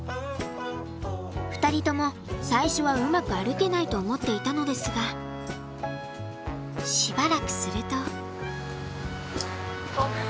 ２人とも最初はうまく歩けないと思っていたのですがよしよし。